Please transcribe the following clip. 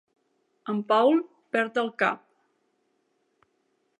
En Paul perd el cap.